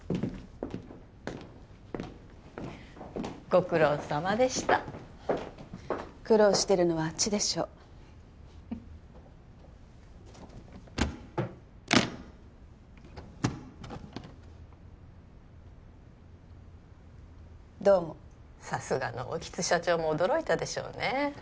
ご苦労さまでした苦労してるのはあっちでしょうどうもさすがの興津社長も驚いたでしょうね